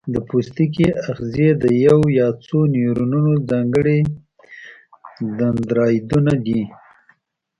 د پوستکي آخذې د یو یا څو نیورونونو ځانګړي دندرایدونه دي.